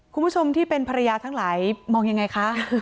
คุณผู้ชมที่เป็นภรรยาทั้งหลายมองยังไงคะ